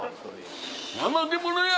「ナマケモノや！」